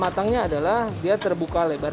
matangnya adalah dia terbuka lebar